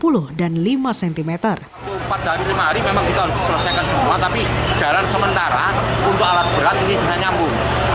empat dari lima hari memang kita harus selesaikan semua tapi jalan sementara untuk alat berat ini bisa nyambung